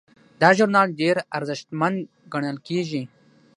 دا ژورنال ډیر ارزښتمن ګڼل کیږي.